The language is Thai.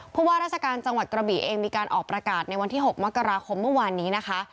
ว่าราชการจังหวัดกระบีเองมีการออกประกาศในวันที่๖มกราคมเมื่อวานนี้นะคะ